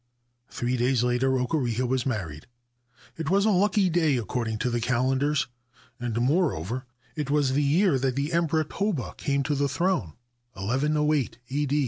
Three days later Okureha was married. It was a lucky day according to the calendars, and, moreover, it was the year that the Emperor Toba came to the throne, 1108 A.